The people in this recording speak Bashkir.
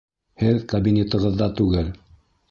Һеҙ кабинетығыҙҙа түгел.